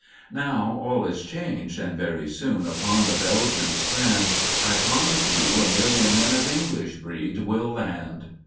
Now all is changed, and very soon, upon the Belgian strand, I promise you a million men of English breed shall land.